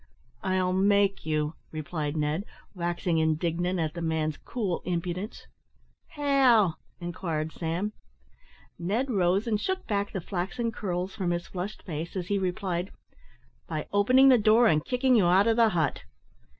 "I'll make you," replied Ned, waxing indignant at the man's cool impudence. "How?" inquired Sam. Ned rose and shook back the flaxen curls from his flushed face, as he replied, "By opening the door and kicking you out of the hut."